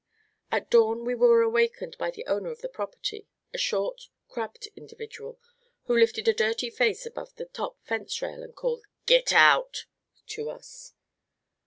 At dawn we were awakened by the owner of the property, a short, crabbed individual, who lifted a dirty face above the top fence rail and called, "Git out," to us.